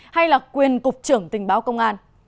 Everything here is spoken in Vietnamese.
hay là quyền cục trưởng tình báo công an